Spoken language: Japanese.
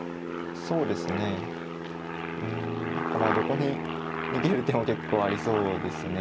そうですねうん何かまあどこに逃げる手も結構ありそうですね。